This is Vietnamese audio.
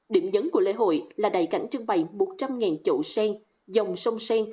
điểm nhấn của lễ hội là đầy cảnh trưng bày một trăm linh chậu sen dòng sông sen